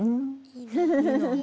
フフフフ。